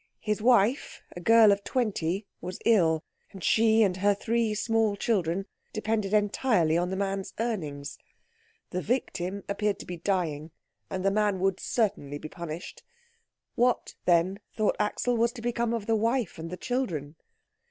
His wife, a girl of twenty, was ill, and she and her three small children depended entirely on the man's earnings. The victim appeared to be dying, and the man would certainly be punished. What, then, thought Axel, was to become of the wife and the children?